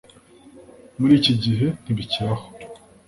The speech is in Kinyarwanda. Muri iki gihe ntibikibaho